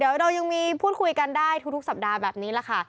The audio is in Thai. เดี๋ยวเรายังมีพูดคุยกันได้ทุกสัปดาห์แบบนี้แหละค่ะ